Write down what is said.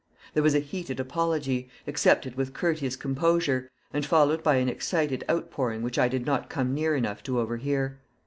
There was a heated apology, accepted with courteous composure, and followed by an excited outpouring which I did not come near enough to overhear.